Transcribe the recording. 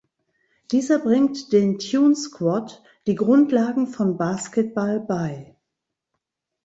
Dieser bringt den Tune Squad die Grundlagen von Basketball bei.